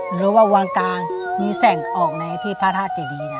หรือว่าวางกลางมีแสงออกในที่พระธาตุเจดีนะ